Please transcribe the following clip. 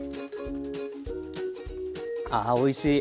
あおいしい。